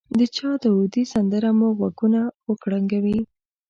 د چا داودي سندره مو غوږونه وکړنګوي.